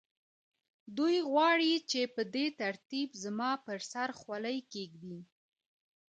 دوی غواړي چې په دې ترتیب زما پر سر خولۍ کېږدي